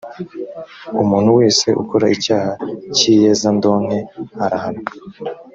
umuntu wese ukora icyaha cy’iyezandonke arahanwa